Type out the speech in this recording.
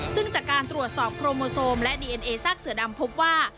ซึ่งจากการตรวจสอบโปรโมโซมและดีเอ็นเอซากเสือดำพบว่า